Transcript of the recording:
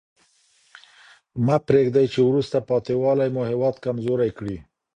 مه پرېږدئ چي وروسته پاته والي مو هېواد کمزوری کړي.